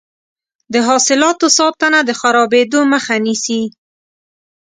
د حاصلاتو ساتنه د خرابیدو مخه نیسي.